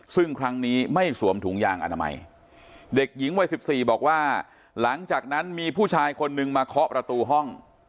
ซึ่งครั้งนี้ไม่สวมถุงยางอนามัยเด็กหญิงวัย๑๔บอกว่าหลังจากนั้นมีผู้ชายคนนึงมาเคาะประตูห้อง